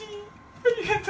ありがとう。